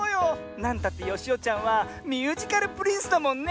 なんたってよしおちゃんはミュージカルプリンスだもんね。